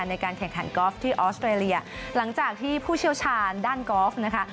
ในการแข่งขันกอล์ฟที่ออสเตรเลียหลังจากที่ผู้เชี่ยวชาญด้านกอล์ฟนะคะ